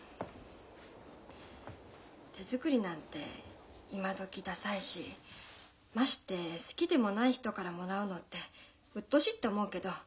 ・手作りなんて今どきダサいしまして好きでもない人からもらうのってうっとおしいって思うけど